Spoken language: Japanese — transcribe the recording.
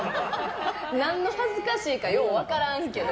何の恥ずかしいかよう分からんけど。